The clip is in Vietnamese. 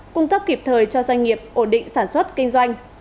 cung cấp kịp thời cho doanh nghiệp ổn định sản xuất kinh doanh